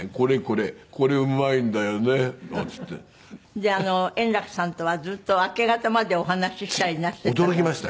で圓楽さんとはずっと明け方までお話ししたりなすってた。